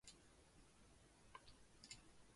主教座堂设在图卢兹。